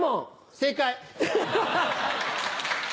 正解。